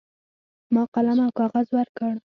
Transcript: ما قلم او کاغذ ورکړ.